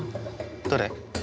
どれ？